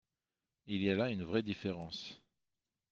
Il y a là une vraie différence.